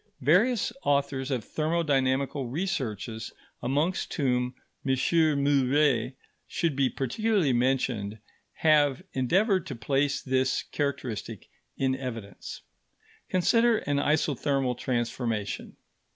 Various authors of thermodynamical researches, amongst whom M. Mouret should be particularly mentioned, have endeavoured to place this characteristic in evidence. Consider an isothermal transformation.